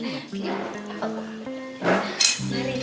kita masih berdua